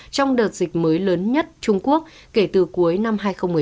trong đợt dịch mới lớn nhất trung quốc kể từ cuối năm hai nghìn một mươi tám